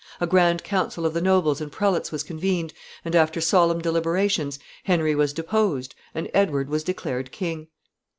A grand council of the nobles and prelates was convened, and, after solemn deliberations, Henry was deposed and Edward was declared king.